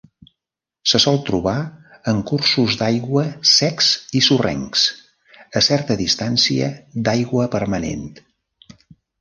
Se sol trobar en cursos d'aigua secs i sorrencs, a certa distància d'aigua permanent.